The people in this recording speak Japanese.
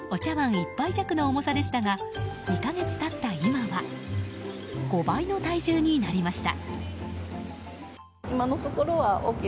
１杯弱の重さでしたが２か月経った今は５倍の体重になりました。